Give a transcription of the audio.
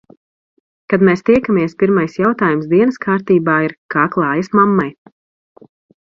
Kad mēs tiekamies, pirmais jautājums dienas kārtībā ir - kā klājas mammai?